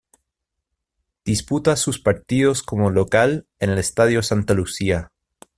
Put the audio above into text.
Disputa sus partidos como local en el Estadio Santa Lucía.